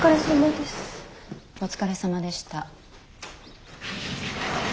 お疲れさまでした。